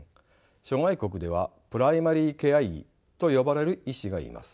諸外国ではプライマリケア医と呼ばれる医師がいます。